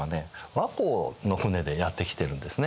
倭寇の船でやって来てるんですね。